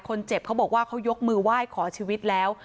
เขาบอกว่าเขายกมือไหว้ขอชีวิตแล้ว